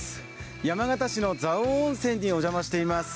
山形市の蔵王温泉にお邪魔しています。